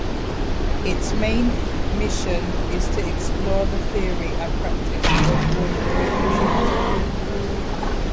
Its main mission is to explore the theory and practice of rural reconstruction.